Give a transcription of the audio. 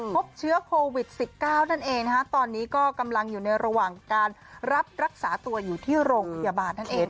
พบเชื้อโควิด๑๙นั่นเองนะคะตอนนี้ก็กำลังอยู่ในระหว่างการรับรักษาตัวอยู่ที่โรงพยาบาลนั่นเอง